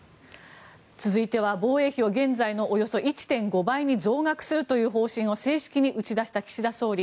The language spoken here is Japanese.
続いては防衛費を現在のおよそ１．５倍に増額するという方針を正式に打ち出した岸田総理。